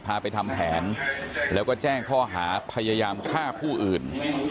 ไปทำแผนแล้วก็แจ้งข้อหาพยายามฆ่าผู้อื่น